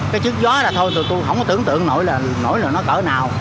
cái chức gió là thôi tụi tui không có tưởng tượng nổi là nó cỡ nào